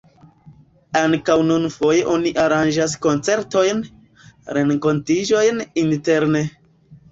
Ankaŭ nun foje oni aranĝas koncertojn, renkontiĝojn interne.